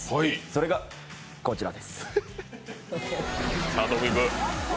それがこちらです。